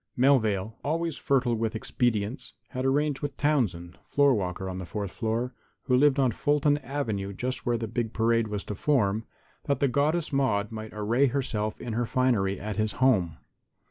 Melvale, always fertile with expedients, had arranged with Townsend, floor walker on the fourth floor, who lived on Fulton avenue just where the big parade was to form, that the Goddess Maude might array herself in her finery at his home.